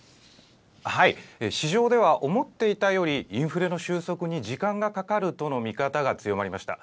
市場では思っていたよりインフレの収束に時間がかかるとの見方が強まりました。